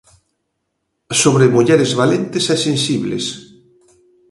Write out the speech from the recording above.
Sobre mulleres valentes e sensibles.